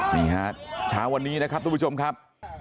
นี่ฮะเช้าวันนี้นะครับทุกผู้ชมครับ